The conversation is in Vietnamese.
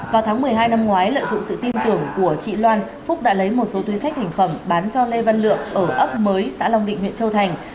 vào tháng một mươi hai năm ngoái lợi dụng sự tin tưởng của chị loan phúc đã lấy một số túi sách thành phẩm bán cho lê văn lượng ở ấp mới xã long định huyện châu thành